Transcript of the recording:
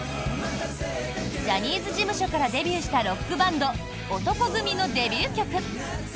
ジャニーズ事務所からデビューしたロックバンド男闘呼組のデビュー曲。